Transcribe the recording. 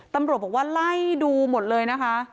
ตำรวจบอกว่าไล่ดูหมดเลยนะคะ